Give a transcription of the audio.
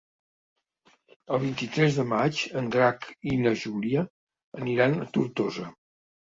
El vint-i-tres de maig en Drac i na Júlia aniran a Tortosa.